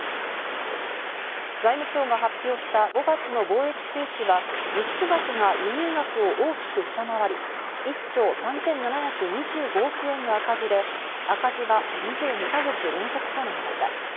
財務省が発表した５月の貿易収支は、輸出額が輸入額を大きく下回り、１兆３７２５億円の赤字で、赤字は２２か月連続となりました。